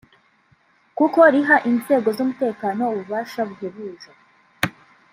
kuko riha inzego z’umutekano ububasha buhebuje